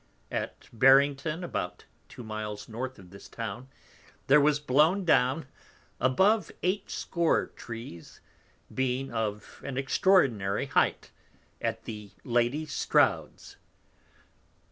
At Barrington, about 2 miles North of this Town, there was blown down above eight score Trees, being of an extraordinary height, at the Lady _Strouds.